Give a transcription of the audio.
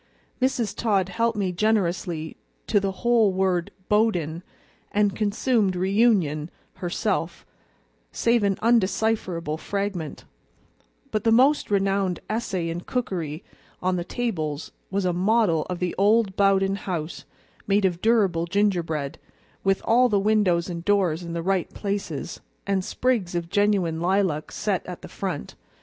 Mrs. Todd helped me generously to the whole word BOWDEN, and consumed REUNION herself, save an undecipherable fragment; but the most renowned essay in cookery on the tables was a model of the old Bowden house made of durable gingerbread, with all the windows and doors in the right places, and sprigs of genuine lilac set at the front.